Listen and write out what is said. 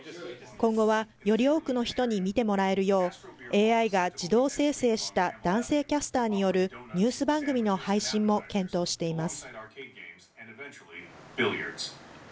今後はより多くの人に見てもらえるよう、ＡＩが自動生成した男性キャスターによるニュース番組の配信も検討しています。